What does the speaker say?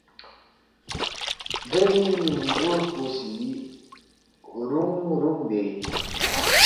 دے لِی موُنگُور پو سی رُونگ رُونگ بے اِن